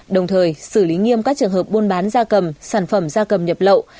đồng thời xử lý nghiêm các trường hợp buôn bán da cầm sản phẩm da cầm nhập lậu